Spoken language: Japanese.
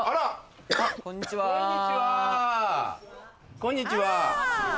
こんにちは！